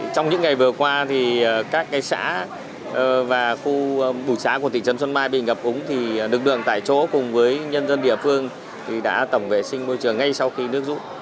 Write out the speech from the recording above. trong những ngày vừa qua thì các cái xã và khu bụi xã của tỉnh trâm xuân mai bị ngập úng thì nước đường tại chỗ cùng với nhân dân địa phương thì đã tổng vệ sinh môi trường ngay sau khi nước rút